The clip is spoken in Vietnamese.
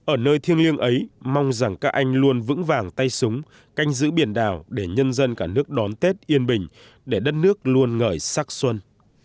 ở nơi thiêng liêng ấy mong rằng các anh luôn vững vàng tay súng canh giữ biển đảo để nhân dân cả nước đón tết yên bình để đất nước luôn ngởi sắc xuân